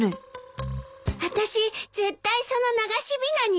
あたし絶対その流しびなに行きたい！